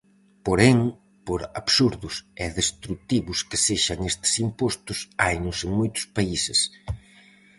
Porén, por absurdos e destrutivos que sexan estes impostos, hainos en moitos países.